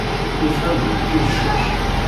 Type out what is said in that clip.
Ur tḥemmlemt imcac.